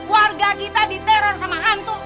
warga kita diteror sama hantu